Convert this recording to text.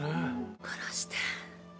殺して。